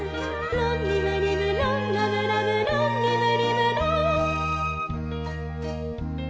「ロンリムリムロンラムラムロンリムリムロン」